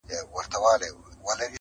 داسي زهر چي مرگى د هر حيوان دي-